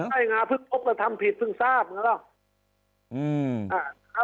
ใช่ไงเพิ่งพบแล้วทำผิดเพิ่งทราบเหรอ